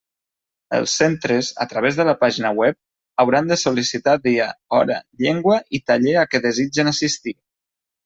Els centres, a través de la pàgina web, hauran de sol·licitar dia, hora, llengua i taller a què desitgen assistir.